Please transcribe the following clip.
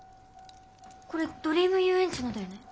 これドリーム遊園地のだよね。